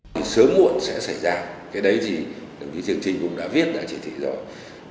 biết được các đồng chí bị tù đã vượt ngục chính ủy bắc kỳ cử người đi tìm đón